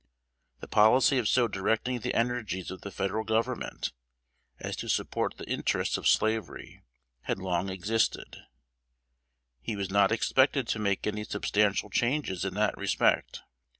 The policy of so directing the energies of the Federal Government as to support the interests of slavery, had long existed; he was not expected to make any substantial changes in that respect.